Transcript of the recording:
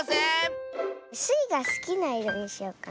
スイがすきないろにしようかな。